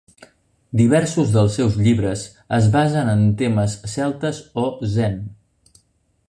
Diversos dels seus llibres es basen en temes celtes o zen.